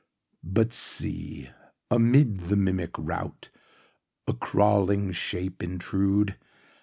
But see, amid the mimic routA crawling shape intrude!